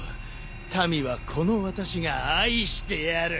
民はこの私が愛してやる。